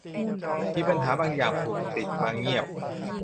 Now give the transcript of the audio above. มีปัญหาบางอย่างผูกติดมาเงียบ